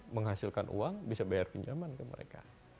menghasilkan uang bisa bayar pinjaman ke mereka